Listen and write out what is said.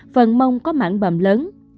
phần mông có mảng bầm lớn